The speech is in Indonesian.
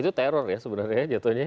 itu teror ya sebenarnya jatuhnya